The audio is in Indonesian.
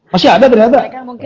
masih ada ternyata